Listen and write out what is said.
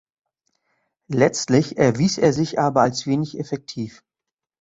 Letztlich erwies er sich aber als wenig effektiv.